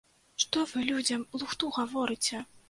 Што вы людзям лухту гаворыце?!